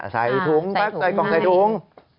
ใส่ถุง